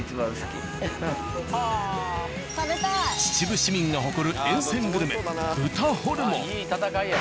秩父市民が誇る沿線グルメ豚ホルモン。